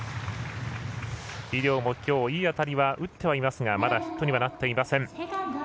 井領もきょういい当たりは打ってはいますがまだヒットにはなってはいません。